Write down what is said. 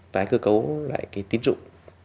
tái cơ cấu lại cái tiến dụng